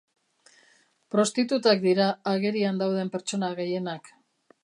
Prostitutak dira agerian dauden pertsona gehienak.